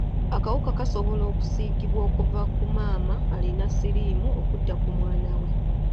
Akawuka kasobola okusiigibwa okuva ku maama alina siriimu okudda ku mwana we.